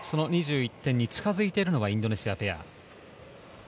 ２１点に近づいているのがインドネシアペア。